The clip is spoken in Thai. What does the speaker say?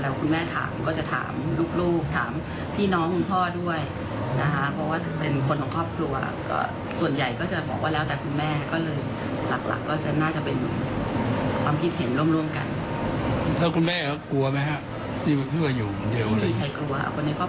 แล้วคุณแม่ถามก็จะถามลูกถามพี่น้องคุณพ่อด้วยนะครับ